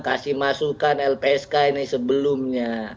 kasih masukan lpsk ini sebelumnya